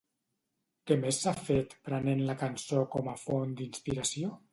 Què més s'ha fet prenent la cançó com a font d'inspiració?